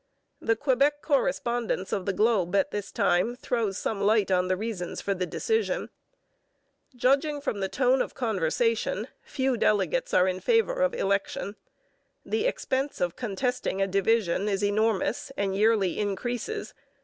The Quebec correspondence of the Globe at this time throws some light on the reasons for the decision: 'Judging from the tone of conversation few delegates are in favour of election. The expense of contesting a division is enormous and yearly increases.